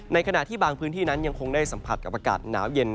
ขณะที่บางพื้นที่นั้นยังคงได้สัมผัสกับอากาศหนาวเย็น